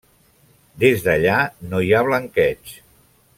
Des d'allà, no hi ha blanqueig.